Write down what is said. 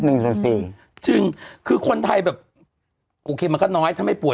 นั่นแหละสิจริงคือคนไทยแบบโอเคมันก็น้อยถ้าไม่ป่ว